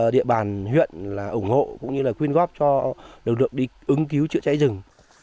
địa bàn huyện là ủng hộ cũng như là quyên góp cho lực lượng đi ứng cứu chữa cháy rừng